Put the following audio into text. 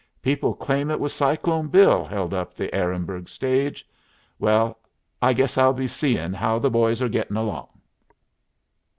People claim it was Cyclone Bill held up the Ehrenberg stage. Well, I guess I'll be seeing how the boys are getting along."